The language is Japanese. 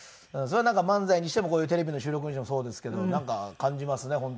それはなんか漫才にしてもこういうテレビの収録にしてもそうですけどなんか感じますね